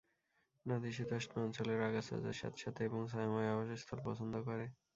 নাতিশীতোষ্ণ অঞ্চলের আগাছা যা স্যাঁতসেঁতে এবং ছায়াময় আবাসস্থল পছন্দ করে।